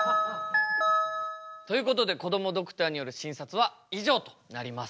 ということでこどもドクターによる診察は以上となります。